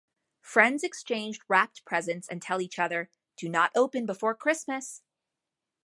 Friends exchange wrapped presents and tell each other, Do not open before Christmas!